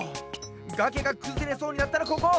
がけがくずれそうになったらここ！